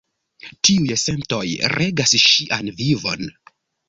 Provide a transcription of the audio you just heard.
Tiuj sentoj regas ŝian vivon.